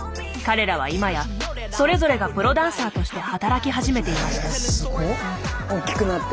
彼らは今やそれぞれがプロダンサーとして働き始めていました。